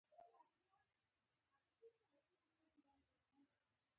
احمد له خبرې بېرته وګرځېد.